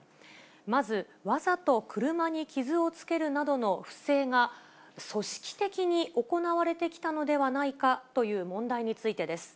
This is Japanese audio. まず、わざと車に傷をつけるなどの不正が、組織的に行われてきたのではないかという問題についてです。